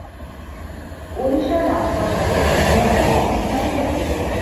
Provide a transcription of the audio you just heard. ওড়িশার রাজপ্রাসাদে এই নৃত্য উপস্থাপিত হত।